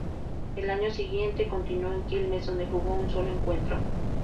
Al año siguiente continuó en Quilmes, donde jugó un sólo encuentro.